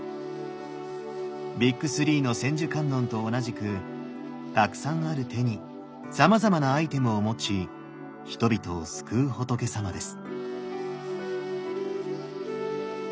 ビッグ３の千手観音と同じくたくさんある手にさまざまなアイテムを持ち人々を救う仏さまです。